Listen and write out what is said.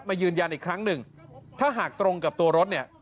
ยืนยันอีกครั้งหนึ่งถ้าหากตรงกับตัวรถเนี่ย